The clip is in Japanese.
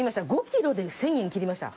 ５キロで１０００円切りました。